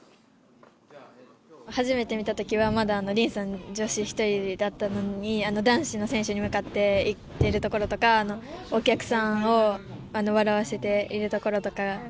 初めて見たときはまだりんさん女子１人だったのに男子の選手に向かっていっているところとかお客さんを笑わせているところとかが好きです。